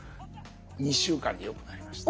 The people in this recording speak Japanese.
２週間でよくなりました。